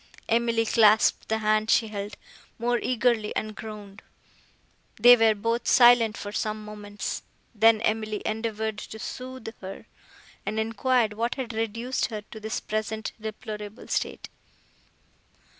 Emily clasped the hand she held, more eagerly, and groaned. They were both silent for some moments. Then Emily endeavoured to soothe her, and enquired what had reduced her to this present deplorable state.